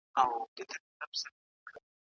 مالګین خواړه د وینې فشار لوړوي.